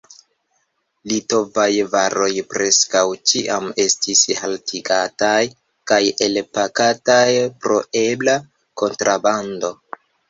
Litovaj varoj preskaŭ ĉiam estis haltigataj kaj elpakataj pro ebla kontrabando.